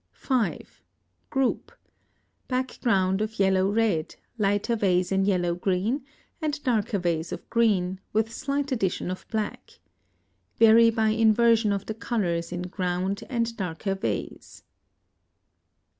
5. Group. Background of yellow red, lighter vase in yellow green, and darker vase of green, with slight addition of black. Vary by inversion of the colors in ground and darker vase.